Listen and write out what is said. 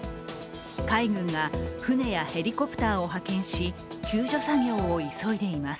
海軍が船やヘリコプターを派遣し救助作業を急いでいます。